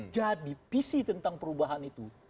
jadi visi tentang perubahan itu